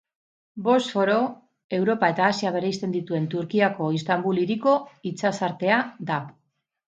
Bosforo Europa eta Asia bereizten dituen Turkiako Istanbul hiriko itsasartea da.